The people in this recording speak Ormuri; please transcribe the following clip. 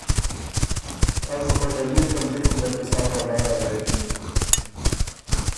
از بُو خه ډريېکم جِکم دل بُو سا په ډاره غوېکِن۔